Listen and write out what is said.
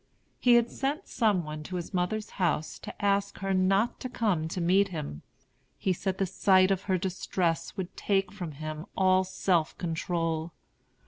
He had sent some one to his mother's house to ask her not to come to meet him. He said the sight of her distress would take from him all self control.